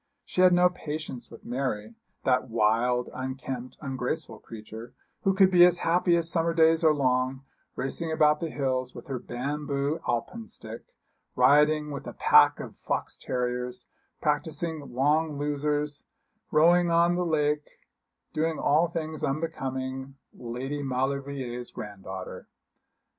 She had no patience with Mary that wild, unkempt, ungraceful creature, who could be as happy as summer days are long, racing about the hills with her bamboo alpenstock, rioting with a pack of fox terriers, practising long losers, rowing on the lake, doing all things unbecoming Lady Maulevrier's granddaughter.